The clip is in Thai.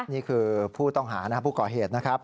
นี่คือผู้ต้องหานะครับผู้ก่อเหตุนะครับ